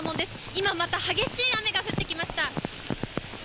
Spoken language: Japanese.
今、また激しい雨が降ってきました。